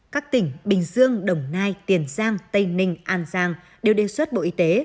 các tỉnh bình dương đồng nai tiền giang tây ninh an giang đều đề xuất bộ y tế